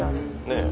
「ねえ」